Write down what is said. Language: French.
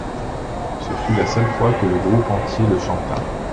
Ce fut la seule fois que le groupe entier la chanta.